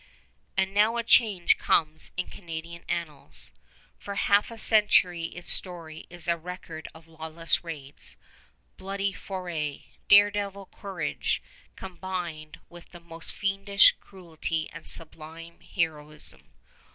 And now a change comes in Canadian annals. For half a century its story is a record of lawless raids, bloody foray, dare devil courage combined with the most fiendish cruelty and sublime heroism.